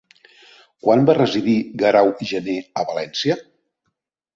Quan va residir Guerau Gener a València?